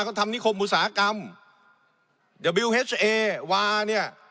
เขาทำนิคมอุตสาหกรรมเนี่ย